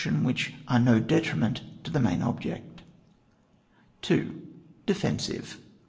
This is one are no detriment to the main object n.— DEFENSIVE.